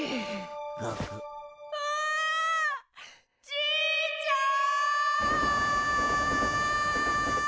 じいちゃん！